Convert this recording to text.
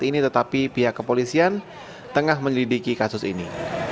ini tetapi pihak kepolisian tengah menyelidiki kasus ini